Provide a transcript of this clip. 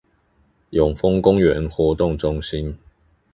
永豐公園活動中心